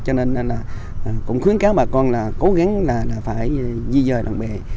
cho nên là cũng khuyến cáo bà con là cố gắng là phải di dời lòng bè